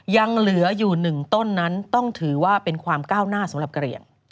ยังเหลืออยู่๑ต้นนั้นต้องถือว่าเป็นความก้าวหน้าสำหรับกระเหลี่ยง